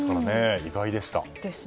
意外でした。